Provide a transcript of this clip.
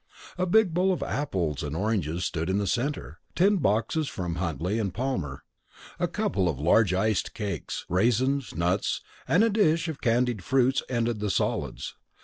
A big bowl of apples and oranges stood in the centre; tin boxes from Huntley and Palmer, a couple of large iced cakes, raisins, nuts, and a dish of candied fruits ended the solids.